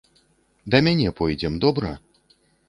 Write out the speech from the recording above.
Да мяне пойдзем, добра?